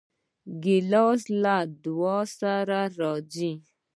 ګیلاس له دعا سره راځي.